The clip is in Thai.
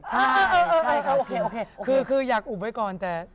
ใช่คืออยากอุบไว้ก่อนแต่